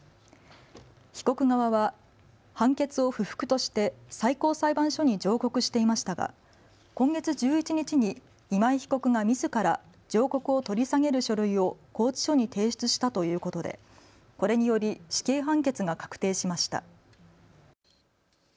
被告側は判決を不服として最高裁判所に上告していましたが今月１１日に今井被告がみずから上告を取り下げる書類を拘置所に提出したということでこれにより死刑判決が確定しました。